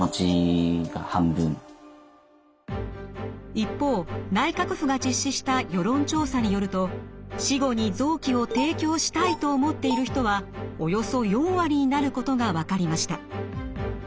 一方内閣府が実施した世論調査によると死後に臓器を提供したいと思っている人はおよそ４割になることが分かりました。